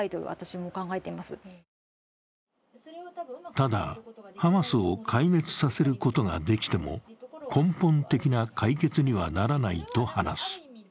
ただハマスを壊滅させることができても根本的な解決にはならないと話す。